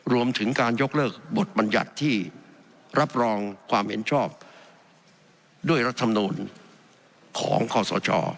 รวมถึงการยกเลิกบทบัญญัติที่รับรองความเห็นชอบด้วยรัฐมนูลของข้อสช